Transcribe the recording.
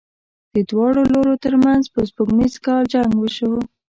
د دواړو لورو تر منځ په سپوږمیز کال جنګ وشو.